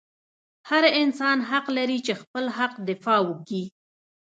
هر انسان حق لري چې خپل حق دفاع وکي